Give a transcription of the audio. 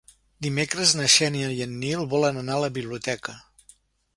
Dimecres na Xènia i en Nil volen anar a la biblioteca.